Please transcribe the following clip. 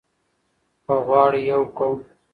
که غواړئ يو قوم